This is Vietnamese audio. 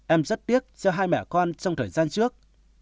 em rất tiếc cho hai mẹ con trong thời gian trước